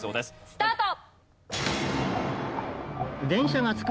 スタート！